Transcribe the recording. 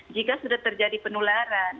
jika sudah terjadi penularan